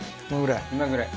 今くらい。